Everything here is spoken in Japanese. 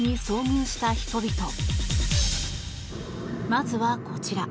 まずはこちら。